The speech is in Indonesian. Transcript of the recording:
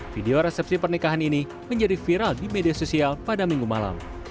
video resepsi pernikahan ini menjadi viral di media sosial pada minggu malam